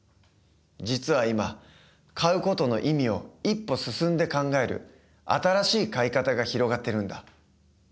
実は今買う事の意味を一歩進んで考える新しい買い方が広がってるんだ。